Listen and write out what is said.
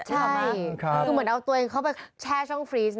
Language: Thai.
ใช่คือเหมือนเอาตัวเองเข้าไปแช่ช่องฟรีส